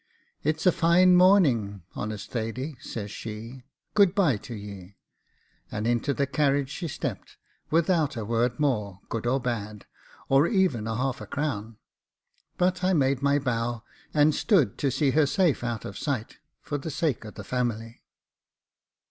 "It's a fine morning, honest Thady," says she; "good bye to ye," and into the carriage she stepped, without a word more, good or bad, or even half a crown, but I made my bow, and stood to see her safe out of sight for the sake of the family.